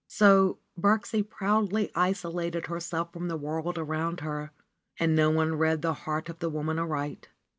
So Birksie proudly isolated herself from the world around her and no one read the heart of the woman aright.